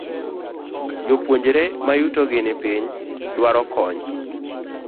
Jopuonjre mayuto gi ni piny dwaro kony.